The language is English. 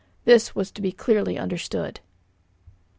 This was to be clearly understood.